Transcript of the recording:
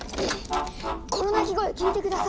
この鳴き声聞いて下さい。